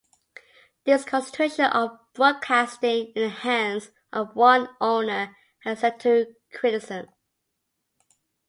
This concentration of broadcasting in the hands of one owner has led to criticism.